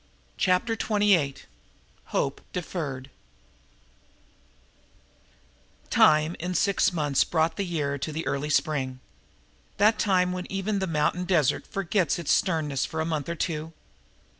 Chapter Twenty eight Hope Deferred Time in six months brought the year to the early spring, that time when even the mountain desert forgets its sternness for a month or two.